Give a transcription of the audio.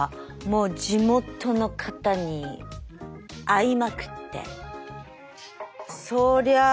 もう地元の方に会いまくってそりゃあ